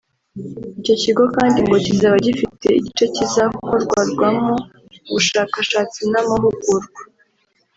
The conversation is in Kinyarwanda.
Icyo kigo kandi ngo kizaba gifite igice kizakorwarwamo ubushakashatsi n’amahugurwa